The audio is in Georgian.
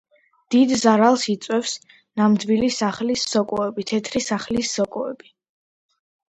დიდ ზარალს იწვევს ნამდვილი სახლის სოკოები, თეთრი სახლის სოკოები.